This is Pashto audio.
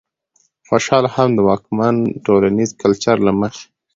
خوشال هم د واکمن ټولنيز کلچر له مخې